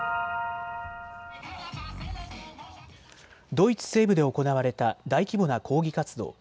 ドイツ西部で行われた大規模な抗議活動。